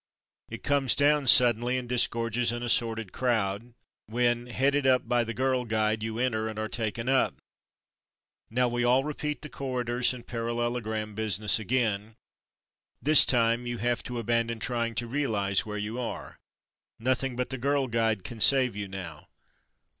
It comes down suddenly and disgorges an assorted crowd, when, headed by the girl guide, you enter and are taken up. Now we all repeat the corridor and parallelogram business again; this time you have to abandon trying to realize where you are. 146 From Mud to Mufti Nothing but the girl guide can save you now.